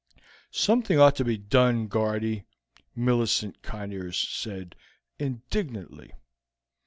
"Something ought to be done, Guardy," Millicent Conyers said indignantly.